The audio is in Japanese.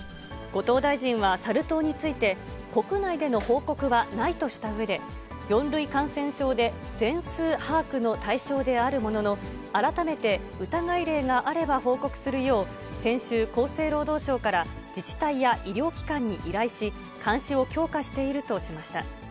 後藤大臣はサル痘について、国内での報告はないとしたうえで、４類感染症で全数把握の対象であるものの、改めて疑い例があれば報告するよう、先週、厚生労働省から自治体や医療機関に依頼し、監視を強化しているとしました。